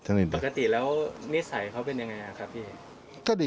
ปกติแล้วนิสัยเขาเป็นยังไงครับพี่